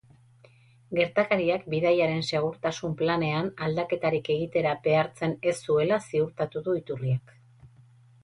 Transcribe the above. Gertakariak bidaiaren segurtasun planean aldaketarik egitera behartzen ez zuela ziurtatu du iturriak.